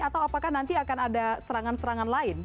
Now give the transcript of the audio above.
atau apakah nanti akan ada serangan serangan lain